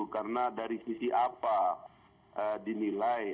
karena dari sisi apa dinilai